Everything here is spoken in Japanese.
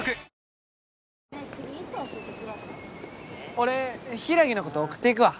俺柊のこと送っていくわ。